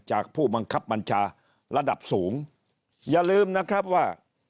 ผู้บังคับบัญชาระดับสูงอย่าลืมนะครับว่า